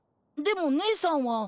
でもねえさんは。